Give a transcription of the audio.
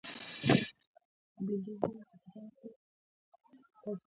د افغانستان جلکو د افغانانو د ژوند طرز اغېزمنوي.